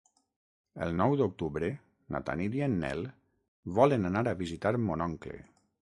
El nou d'octubre na Tanit i en Nel volen anar a visitar mon oncle.